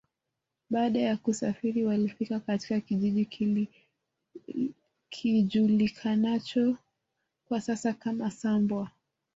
Baada ya kusafiri walifika katika kijiji kijulikanacho kwa sasa kama Sambwa